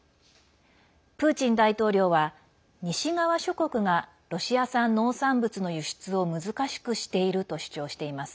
プーチン大統領は、西側諸国がロシア産農産物の輸出を難しくしていると主張しています。